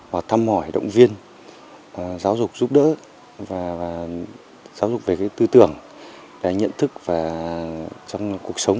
và thăm hỏi động viên giáo dục giúp đỡ và giáo dục về tư tưởng về nhận thức trong cuộc sống